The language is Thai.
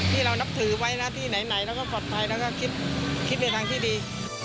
ที่เรานับถือไว้นะที่ไหนเราก็ปลอดภัยแล้วก็คิดในทางที่ดี